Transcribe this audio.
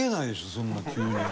そんな急に。